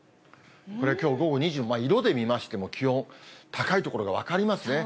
これ、きょう午後２時、色で見ましても、気温高い所が分かりますね。